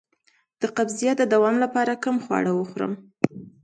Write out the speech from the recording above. د قبضیت د دوام لپاره کوم خواړه وخورم؟